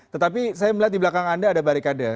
tetapi saya melihat di belakang anda ada barikade